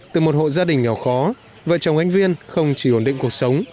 từ một hộ gia đình nghèo khó vợ chồng anh viên không chỉ ổn định cuộc sống